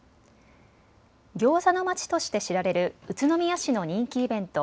ギョーザの街として知られる宇都宮市の人気イベント